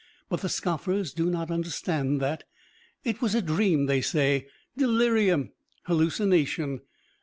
But the scoffers do not understand that. It was a dream, they say, delirium, hallucination.